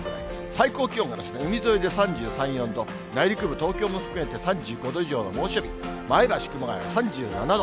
最高気温が海沿いで３３、４度、内陸部、東京も含めて３５度以上の猛暑日、前橋、熊谷、３７度。